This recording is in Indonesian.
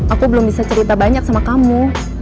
aku belum bisa cerita banyak sama kamu